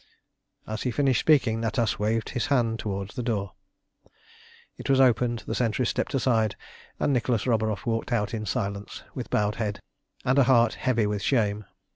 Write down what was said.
As he finished speaking Natas waved his hand towards the door. It was opened, the sentries stepped aside, and Nicholas Roburoff walked out in silence, with bowed head and a heart heavy with shame.